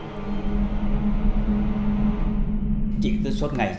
nhi cứ suốt ngày